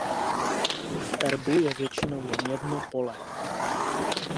V erbu je většinou jen jedno pole.